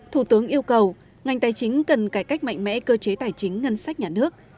thủ tướng yêu cầu ngành tài chính cần cải cách mạnh mẽ cơ chế tài chính ngân sách nhà nước